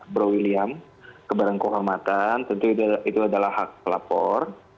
bro william ke badan kehormatan tentu itu adalah hak pelapor